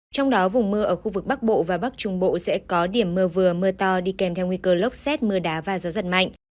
trong đó vùng mưa ở khu vực bắc bộ và bắc trung bộ sẽ có điểm mưa vừa mưa to đi kèm theo nguy cơ lốc xét mưa đá và gió giật mạnh